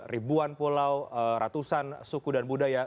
ribuan pulau ratusan suku dan budaya